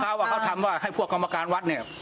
เขาทำว่าให้พวกกรรมการวัดเนี่ย